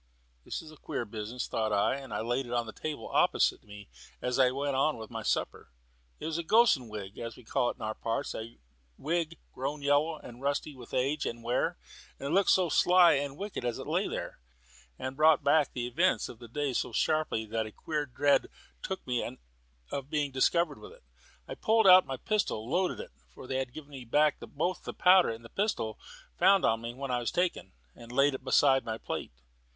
"This is a queer business," thought I; and I laid it on the table opposite me as I went on with my supper. It was a "gossan" wig, as we call it in our parts; a wig grown yellow and rusty with age and wear. It looked so sly and wicked as it lay there, and brought back the events of the day so sharply that a queer dread took me of being discovered with it. I pulled out my pistol, loaded it (they had given me back both the powder and pistol found on me when I was taken), and laid it beside my plate.